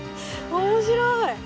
面白い！